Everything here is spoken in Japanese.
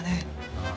ああ。